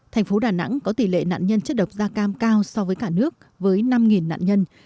thành phố đà nẵng có tỷ lệ nạn nhân chất độc da cam cao so với cả nước với năm nạn nhân